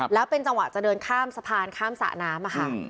แล้วเป็นจังหวะจะเดินข้ามสะพานข้ามสระน้ำค่ะ